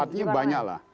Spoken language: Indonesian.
artinya banyak lah